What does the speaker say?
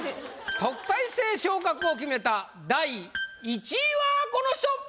特待生昇格を決めた第１位はこの人！